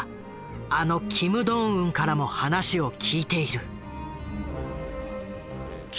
あのキム・ドンウンからも話を聞いている。